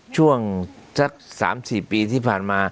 ช่วงสัก๓๔ปีที่ผ่านมา